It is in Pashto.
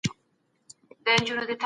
که ميتود علمي نه وي پايله غلطه ده.